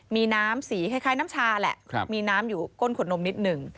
มีน้ำสีคล้ายน้ำชาแหละมีน้ำอยู่ก้นขวดนมนิดหนึ่ง